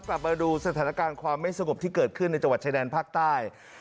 กลับมาดูสถานการณ์ความไม่สงบที่เกิดขึ้นในจังหวัดชายแดนภาคใต้